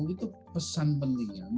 itu pesan pentingnya